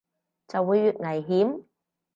就會越危險